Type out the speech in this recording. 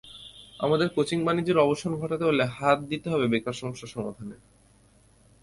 আমাদের কোচিং-বাণিজ্যের অবসান ঘটাতে হলে হাত দিতে হবে বেকার সমস্যা সমাধানে।